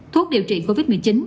thuốc điều trị covid một mươi chín